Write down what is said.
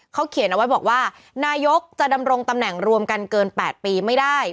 เขาเขียนเอาไว้บอกว่านายกจะดำรงตำแหน่งรวมกันเกิน๘ปีไม่ได้